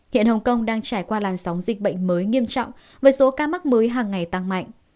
hiện hồng kông đang trải qua làn sóng dịch bệnh mới nghiêm trọng với số ca mắc mới hàng ngày tăng mạnh